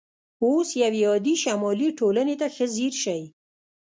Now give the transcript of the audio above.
اوس یوې عادي شمالي ټولنې ته ښه ځیر شئ